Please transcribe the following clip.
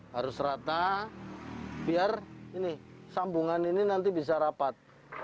harus rata biar sambungan ini nanti bisa rapat